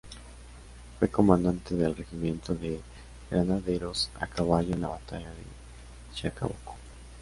Fue comandante del Regimiento de Granaderos a Caballo en la batalla de Chacabuco.